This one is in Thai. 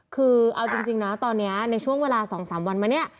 คือเอาจริงนะตอนนี้ในช่วงเวลา๒๓วันมาเนี่ย